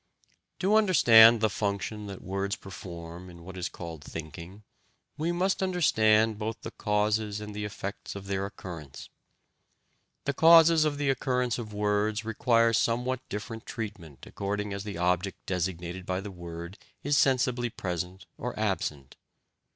To understand the function that words perform in what is called "thinking," we must understand both the causes and the effects of their occurrence. The causes of the occurrence of words require somewhat different treatment according as the object designated by the word is sensibly present or absent.